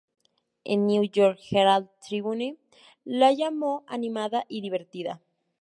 El "New York Herald Tribune" la llamó "animada y divertida".